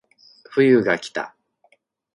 冬がきた